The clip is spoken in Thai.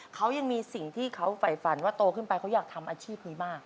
เขายังมีสิ่งที่เขาไฝฝันว่าโตขึ้นไปเขาอยากทำอาชีพนี้มาก